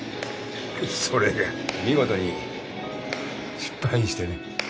それが見事に失敗してね。